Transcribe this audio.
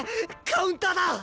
カウンターだ！